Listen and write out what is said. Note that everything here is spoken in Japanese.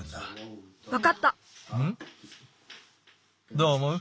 どうおもう？